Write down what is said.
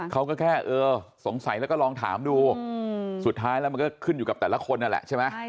เขาก็แค่เออสงสัยแล้วก็ลองถามดูสุดท้ายแล้วมันก็ขึ้นอยู่กับแต่ละคนนั่นแหละใช่ไหม